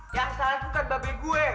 yang salah itu kan babi gue